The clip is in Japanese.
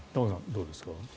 どうですか。